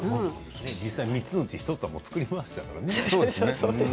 実際に３つのうち１つは作りましたからね。